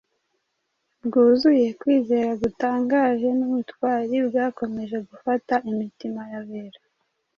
bwuzuye kwizera gutangaje, n’ubutwari bwakomeje gufasha imitima y’abera